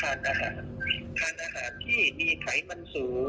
แล้วก็โปรคลองตามมาหลังจากนั้น